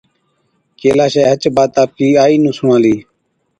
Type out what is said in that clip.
ڪيلاشَي هچ بات آپڪِي آئِي نُون سُڻالِي۔